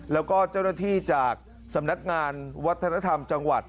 แล้วก็เจ้าหน้าที่จากสำนักงานวัฒนธรรมจังหวัด